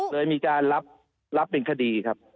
เลยมีการรับเป็นคดีครับ